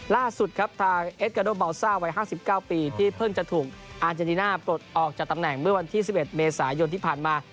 ล่าสุดครับทางเอสกาโดเบาซ่าวัย๕๙ปีที่เพิ่งจะถูกอาเจนติน่าปลดออกจากตำแหน่งเมื่อวันที่๑๑เมษายนที่ผ่านมา